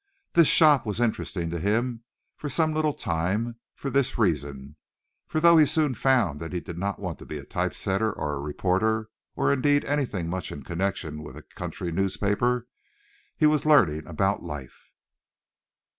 This shop was interesting to him for some little time for this reason, for though he soon found that he did not want to be a type setter or a reporter, or indeed anything much in connection with a country newspaper, he was learning about life.